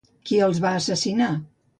Qui els va assassinar?